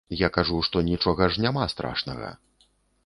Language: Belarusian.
Я кажу, што нічога ж няма страшнага.